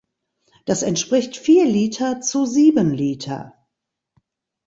Das entspricht vier Liter zu sieben Liter.